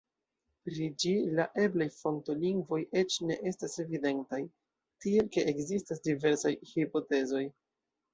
Pri ĝi la eblaj fonto-lingvoj eĉ ne estas evidentaj, tiel ke ekzistas diversaj hipotezoj.